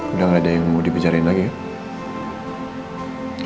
udah gak ada yang mau dibicarain lagi ya